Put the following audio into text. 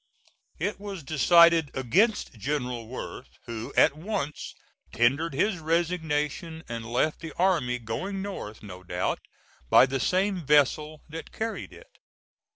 It was decided against General Worth, who at once tendered his resignation and left the army, going north, no doubt, by the same vessel that carried it.